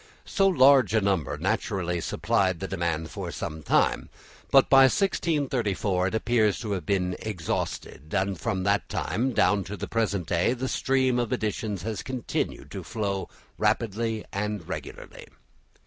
So large a number naturally supplied the demand for some time, but by 1634 it appears to have been exhausted; and from that time down to the present day the stream of editions has continued to flow rapidly and regularly.